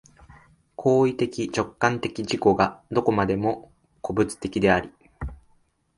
行為的直観的自己がどこまでも個物的であり、